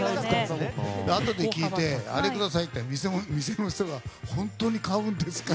あとで聞いてあれくださいって、店の人が本当に買うんですか？